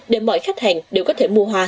để mọi khách hàng đều có thể mua hoa